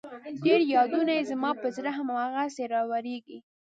ډېر يادونه يې زما په زړه هم هغسې راوريږي